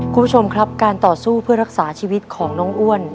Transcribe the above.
คุณผู้ชมครับการต่อสู้เพื่อรักษาชีวิตของน้องอ้วน